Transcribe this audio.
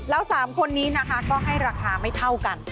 แล้ว๓คนนี้นะคะก็ให้ราคาไม่เท่ากัน